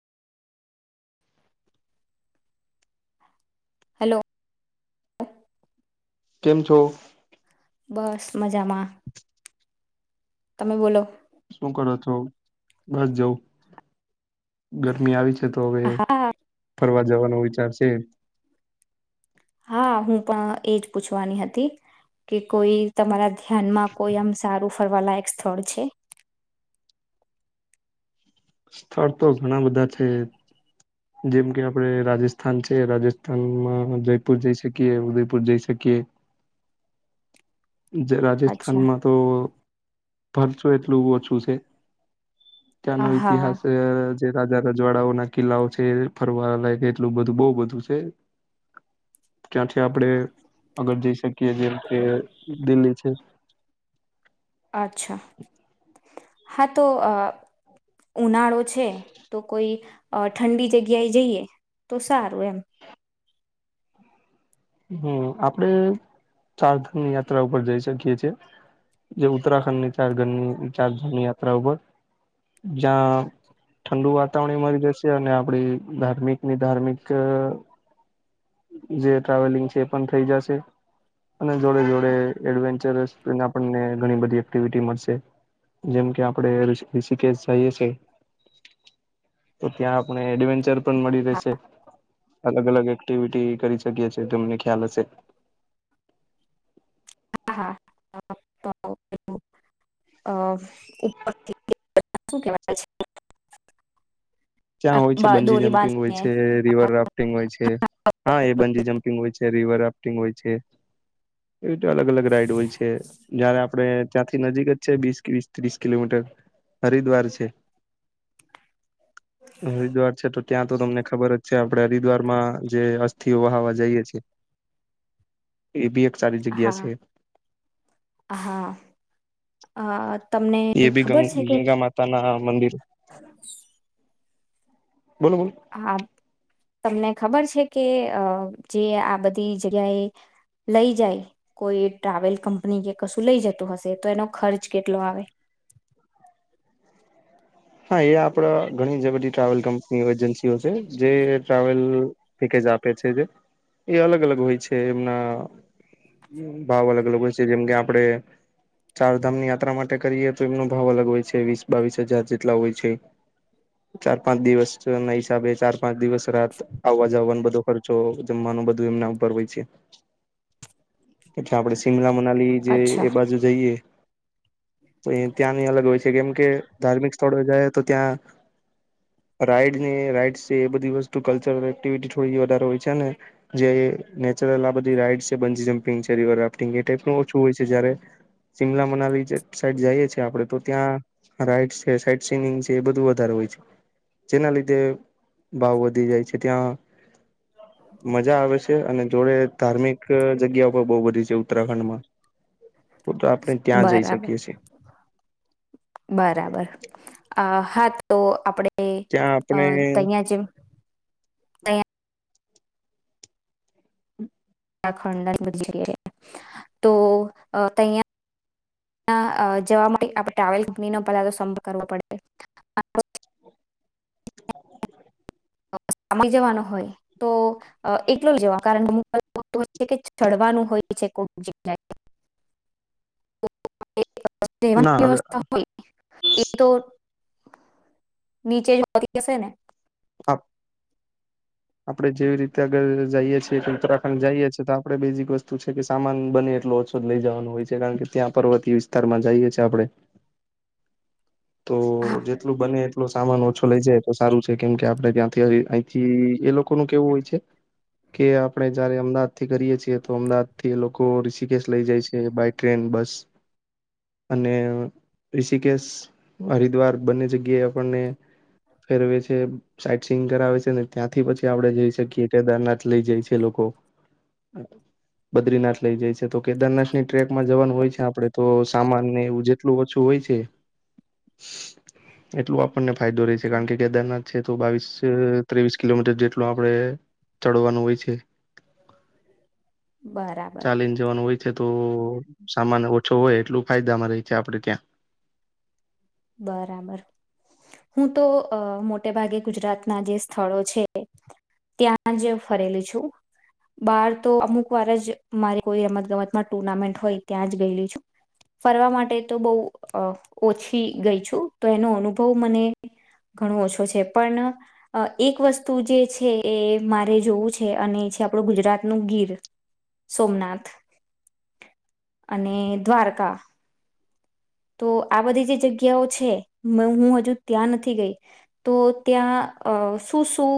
Hello કેમ છો? બસ મજામાં તમે બોલો. શું કરો છો બસ જો ગરમી આવી છે. તો હવે હા ફરવા જવાનો વિચાર છે. હા હું પણ એજ પૂછવાની હતી. કે કોઈ તમારા ધ્યાનમાં કોઈ આમ સારું ફરવા લાયક સ્થળ છે. [unintelligible] સ્થળ તો ઘણા બધા છે.. જેમ કે આપણે રાજસ્થાન છે રાજસ્થાનમાં જયપુર જઈ શકીએ ઉદયપુર જઈ શકીએ. [inaudible] અચ્છા રાજસ્થાનમાં તો ફરશો એટલું ઓછું છે હ ત્યાંનો હા ઈતિહાસ જે રાજા રજવાડાઓ ના કિલ્લાઓ છે ફરવા લાયક એટલું બધું બહ બધું છે. [inaudible] ક્યાંથી આપડે અગર જઈ શકીએ જે કે દિલ્લી છે. [inaudible] અચ્છા હા તો અ ઉનાળો છે તો કોઈ અ ઠંડી જગ્યાએ જઈએ તો સારું એમ. હમ આપડે ચારધામ યાત્રા ઉપર જઈ શકીએ છીએ. જે ઉત્તરાખંડની ચાર ઘની ચાર ધામની યાત્રા ઉપર જ્યાં ઠંડુ વાતાવરણે મળી જશે અને આપડી ધાર્મિક ની ધાર્મિક જે ટ્રાવેલિંગ છે એ પણ થઈ જશે. અને જોડે જોડે એડવેન્ચરસને આપણને ઘણી બધી એક્ટિવિટી મળશે. જેમ કે આપણે ઋષિકેશ જઈએ છે. તો ત્યાં આપણે એડવેન્ચર પણ મળી હા રહેશે અલગ અલગ એક એક્ટિવિટી કરી શકીએ છીએ તમને ખ્યાલ હશે. હા [unintelligible] અ ઉપર [unintelligible] ત્યાં હોય છે બંજી દોરી જમ્પિંગ હોય બાંધીને છે રિવર રાફ્ટિંગ હોય છે. હા એ બંજી જમ્પિંગ હોય છે રિવર રાફ્ટિંગ હોય છે એવી તો અલગ અલગ રાઈડ હોય છે જયારે આપણે ત્યાંથી નજીક જ છે વીસ વીસ ત્રીસ કિલોમીટર હરિદ્વાર છે. હરિદ્વાર છે તો ત્યાં તો તમને ખબર જ છે આપડે હરિદ્વારમાં જે અસ્થિઓ વહા વા જઈ છે એ બી સારી જગ્યા છે હા હા અ તમને એ ભી ગ ખબર છે કે ગંગા માતા ના મંદિર બોલો બોલો હા તમને ખબર છે કે અ જે આ બધી જગ્યાએ લઈ જાય કોઈ ટ્રાવેલ કંપની કે કશું લઈ જતું હશે તો એનો ખર્ચ કેટલો આવે? [inaudible] હા એ આપડા ઘણી જે બધી ટ્રાવેલ કંપની એજન્સીઓ છે જે ટ્રાવેલ પેકેજ આપે છે જે એ અલગ અલગ હોય છે એમના ભાવ અલગ અલગ હોય છે જેમ કે આપડે ચારધામની યાત્રા માટે કરીએ તો એમનો ભાવ અલગ હોય છે વીસ બાવીસ હજાર જેટલા હોય છે ચાર પાંચ દિવસ ના હિસાબે ચાર પાંચ દિવસ રાત આવવા જવાનો બધો ખર્ચો જમવાનો નું બધું એમના ઉપર હોય છે પછી આપણે શિમલામાં મનાલી જે અચ્છા એ બાજુ જઈએ તો એ ત્યાંની અલગ હોય છે કેમ કે ધાર્મિક સ્થળો જાય તો ત્યાં રાઈડ ને રાઈડ છે એ બધી વસ્તુ કલ્ચરલ એક્ટિવિટી થોડી વધારે હોય છે ને જે નેચરલ આ બધી રાઈડસ છે બજી જમ્પિંગ છે રિવર રાફ્ટિંગ એ ટાઈપનું ઓછું હોય છે જયારે શિમલા મનાલી જે સાઈડ જાઈએ છે આપડે તો ત્યાં રાઇડ્સ કે સાઈટ સિનિંગ છે એ બધું વધારે હોય છે. જેના લીધે ભાવ વધી જાય છે ત્યાં મજા આવે છે અને જોડે ધાર્મિક જગ્યા પણ બઉ બધી છે ઉત્તરાખંડમાં તો તો આપણે ત્યાં જઈ બરાબર શકીએ છે. બરાબર અ હા તો આપડે ત્યાં અ આપણે તહીયા જેમ તહીયા ઉત્તરાખંડ ઘણી બધી જગ્યાએ તો અ તહીયા જવા માટે આપણે ટ્રાવેલ કંપનીનો પેલા તો સંપર્ક કરવો પડે [unintelligible] [inaudible] [unintelligible] જવાનો હોય તો એકલો જવા કારણ એવું હોય છે કે ચડવાનું હોય છે કોક જ્ગયા. [inaudible] સેવા ના વ્યવસ્થા હોય એ તો નીચે જતી અશે ને [unintelligible] આપડે જેવી રીતે અગર જઈએ છીએ કે ઉત્તરાખંડ જઈએ છેએ તો આપડણે બેઝિક વસ્તુ છે કે સામાન બને. એટ ઓછો લઈ જવાનું હોય છે કારણ કે ત્યાં પર્વતીય વિસ્તારમાં જઈએએ આપણે. તો હા જેટલું બને. આપલો સામાન ઓછો લઇ જાય તો સારું છે કેમ કે આપડે ત્યાંથી અહીંથી એ લોકો ન કેવું હોય છે. કે આપડણે જયારે અમદાવાદ થી કરીએ છીએ તો અમદાવાદ થી એ લોકો ઋષિકેશ લઇ જાય છે બાય ટ્રેન. બસ અને ઋષિકેશ. હરિદ્વાર બંને જગ્યાએ આપણને. ફેરવે છે સાઈટ સિઈંગ કરાવે છે ને ત્યાંથી પછી આપડે જઈ શકીએ કેદારનાથ લઇ જાય છે લોકો. ઓ બદ્રીનાથ લઇ જાય છે તો કેદારનાથ ની ટ્રેકમાં જવાનું હોય છે આપડે તો સામાન ને એવું જેટલું ઓછું. હોય છે એટલ આપણને ફાયદો ર છે કારણ જી. કે કેદારનાથ છે. તો બાવીસ ત્રેવીસ કિલોમીટર જેટલ આપડણે ચડવાનું હોય છે બરાબર. ચાલીને જવાનું હોય તો સામાન ઓછો હોય એટલું ફાયદા અમારે આપડે ત્યાં બરાબર. હું તો મોટે ભાગે ગુજરાતના જે સ્થળો છે. ત્યાં જ ફરેલી છું. બાર તો અમુક વાર જ મારે કોઈ રમત ગમતમાં ટુર્નામેન્ટ હોય ત્યાં જ ગયેલી છું ફરવા માટે તો બહુ ઓછી ગઈ છું. તો એનો અનુભવ મને ઘણો ઓછો છે. પણ એક વસ્તુ જે છે. એ મારે જોવું છે. અને આપણું ગુજરાતનું ગીર સોમનાથ. અને દ્વારકા. તો આ બધી જે જગ્યાઓ છે. હું હજુ ત્યાં નથી ગઈ તો ત્યાં અ શું શું